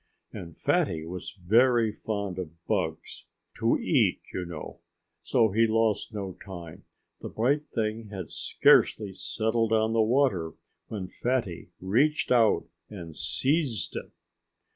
And Fatty was very fond of bugs to eat, you know. So he lost no time. The bright thing had scarcely settled on the water when Fatty reached out and seized it.